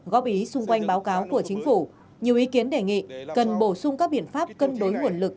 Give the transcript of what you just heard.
góp ý xung quanh báo cáo của chính phủ nhiều ý kiến đề nghị cần bổ sung các biện pháp cân đối nguồn lực